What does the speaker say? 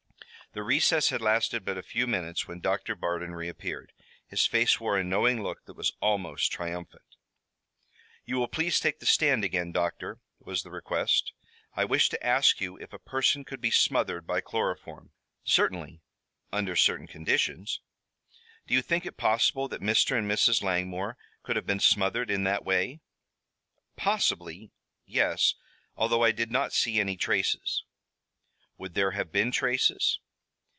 The recess had lasted but a few minutes, when Doctor Bardon reappeared. His face wore a knowing look that was almost triumphant. "You will please take the stand again, doctor," was the request. "I wish to ask you if a person could be smothered by chloroform." "Certainly, under certain conditions." "Do you think it possible that Mr. and Mrs. Langmore could have been smothered in that way?" "Possibly, yes, although I did not see any traces." "Would there have been traces?"